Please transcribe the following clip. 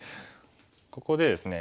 ここでですね